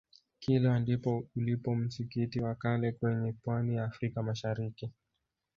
kilwa ndipo ulipo msikiti wa kale kwenye pwani ya africa mashariki